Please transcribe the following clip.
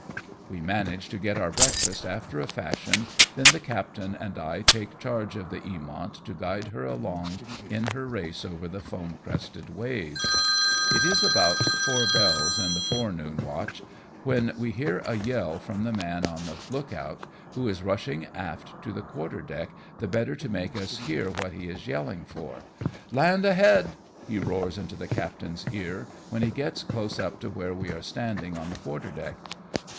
We manage to get our breakfast after a fashion, then the captain and I take charge of the Eamont to guide her along in her race over the foam crested waves. It is about four bells in the forenoon watch when we SCUDDING ACROSS A TYPHOON. 6i hear a yell from the man on the look out, who is rushing aft to the quarter deck the better to make us hear what he is yelling for. " Land ahead !" he roars into the captain's ear, when he gets close up to where we are standing on the quarter deck.